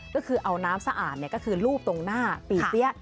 ก็คือเอาน้ำสะอาดก็คือรูปตรงหน้าปีเสีย